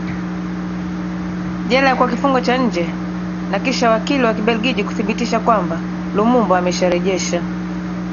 jela kwa kifungo cha nje na kisha wakili wa Kibelgiji kuthibitisha kwamba Lumumba amesharejesha